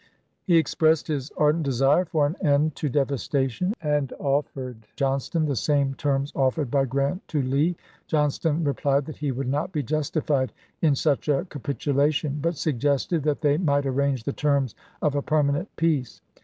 He expressed his ardent desire for an end to devastation, and offered Johnston the same terms offered by Grant to Lee. Johnston replied that he would not be justified in such a capitula tion, but suggested that they might arrange the terms of a permanent peace.